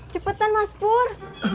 cepetan mas pur